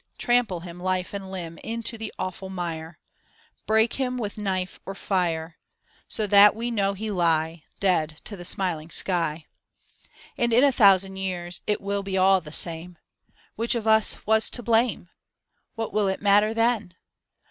Trample him life and limb Into the awful mire; Break him with knife or fire! So that we know he lie Dead to the smiling sky. And in a thousand years It will be all the same. Which of us was to blame P What will it matter then?